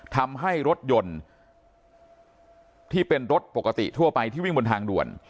ทำให้รถยนต์ที่เป็นรถปกติทั่วไปที่วิ่งบนทางด่วน